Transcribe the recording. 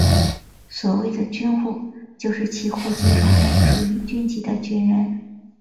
所谓的军户就是其户籍种类属于军籍的军人。